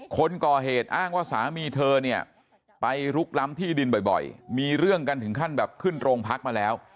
คนก่อเหตุอ้างว่าสามีเธอเนี่ยไปลุกล้ำที่ดินบ่อยมีเรื่องกันถึงขั้นแบบขึ้นโรงพักมาแล้ว